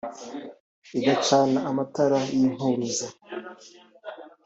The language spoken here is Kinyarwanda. igacana amatara y’impuruza